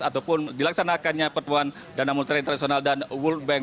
ataupun dilaksanakannya pertemuan dana multirain tradisional dan world bank